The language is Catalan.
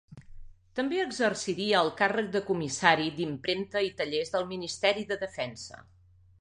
També exerciria el càrrec de comissari d'Impremta i Tallers del Ministeri de Defensa.